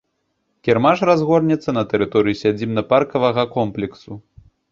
Кірмаш разгорнецца на тэрыторыі сядзібна-паркавага комплексу.